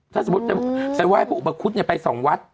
ถ้าสมมติใส่ว่าให้พระอุปคุฏไปสองวัด